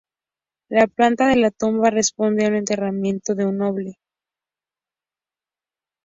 La planta de la tumba responde a un enterramiento de un noble.